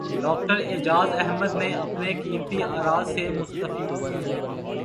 doctor Ijaz Ahmed نے اپنے قیمتی اراءسے مستفید کی